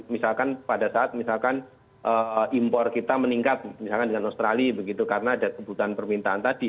misalkan pada saat misalkan impor kita meningkat misalkan dengan australia begitu karena ada kebutuhan permintaan tadi